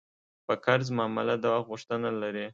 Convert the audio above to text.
په قرض معامله د وخت غوښتنه لري.